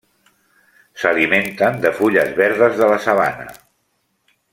S'alimenten de fulles verdes de la sabana.